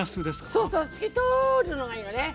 そうそう透き通るのがいいのね。